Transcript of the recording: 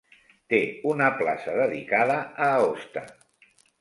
Té una plaça dedicada a Aosta.